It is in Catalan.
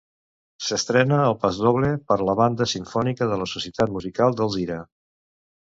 S'estrena el pasdoble per la Banda Simfònica de la Societat Musical d'Alzira.